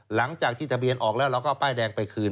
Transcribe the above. หลังจากที่ทะเบียนออกแล้วเราก็เอาป้ายแดงไปคืน